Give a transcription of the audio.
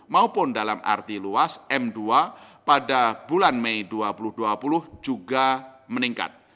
maupun dalam arti luas m dua pada bulan mei dua ribu dua puluh juga meningkat